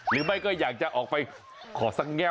หรือไม่ก็อยากจะออกไปฝ่างให้กลาง